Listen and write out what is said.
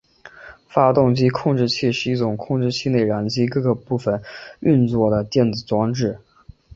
发动机控制器是一种控制内燃机各个部分运作的电子装置。